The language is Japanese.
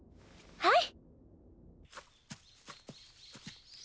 はい。